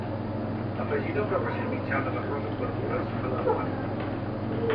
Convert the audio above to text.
Afegida una ració mitjana d'arròs amb verdures a la comanda.